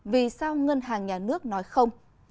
vì sao ngân hàng nhà nước nói không